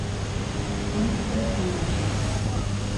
Концертнаже